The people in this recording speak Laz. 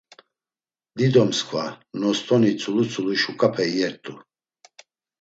Dido msǩva, nostoni tzulu tzulu şuǩape iyert̆u.